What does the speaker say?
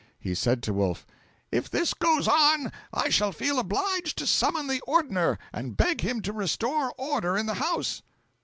He said to Wolf, 'If this goes on, I shall feel obliged to summon the Ordner, and beg him to restore order in the House.'